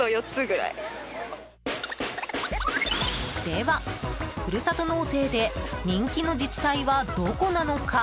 では、ふるさと納税で人気の自治体はどこなのか？